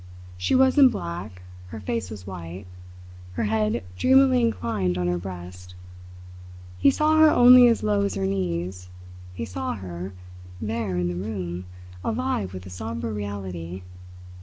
She was in black; her face was white, her head dreamily inclined on her breast. He saw her only as low as her knees. He saw her there, in the room, alive with a sombre reality.